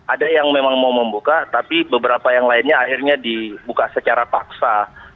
ada yang memang mau membuka tapi beberapa yang lainnya akhirnya dibuka secara paksa